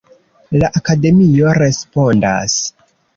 La Akademio respondas.